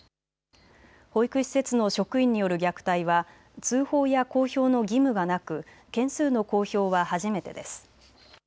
保育施設の職員による虐待は通報や公表の義務がなく件数の公表は初めてです。